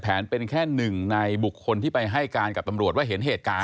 เป็นแค่หนึ่งในบุคคลที่ไปให้การกับตำรวจว่าเห็นเหตุการณ์